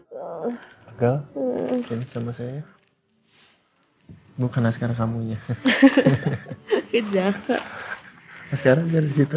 hai hai i play sama saya bukan aksar kamu nya kejauh sekarang ter pots mende